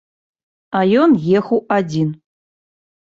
А ён ехаў адзін.